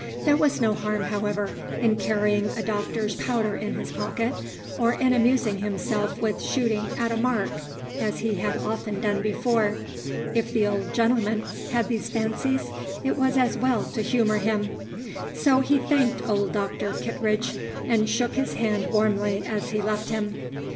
There was no harm, however, in carrying a doctor's powder in his pocket, or in amusing himself with shooting at a mark, as he had often done before. If the old gentleman had these fancies, it was as well to humor him. So he thanked old Doctor Kittredge, and shook his hand warmly as he left him.